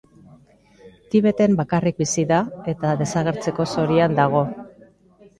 Tibeten bakarrik bizi da eta desagertzeko zorian dago.